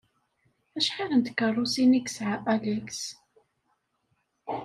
Acḥal n tkeṛṛusin i yesɛa Alex?